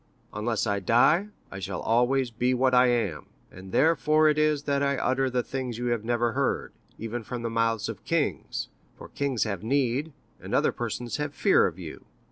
Unless I die, I shall always be what I am, and therefore it is that I utter the things you have never heard, even from the mouths of kings—for kings have need, and other persons have fear of you.